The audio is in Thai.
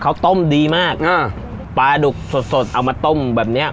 เขาต้มดีมากอ่าปลาดุกสดสดเอามาต้มแบบเนี้ย